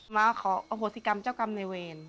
มาขออพฤติกรรมเจ้ากรรมในวัฒนศา